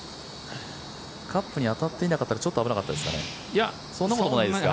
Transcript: カップに当たっていなかったらちょっと危なかったですかね。